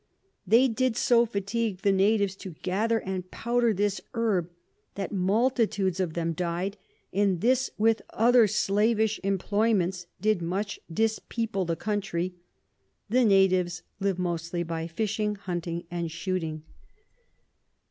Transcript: They did so fatigue the Natives to gather and powder this Herb, that multitudes of 'em died; and this, with other slavish Employments, did much dis people the Country. The Natives live mostly by Fishing, Hunting, and Shooting.